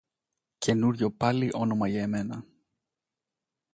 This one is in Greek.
Καινούριο πάλι όνομα για μένα!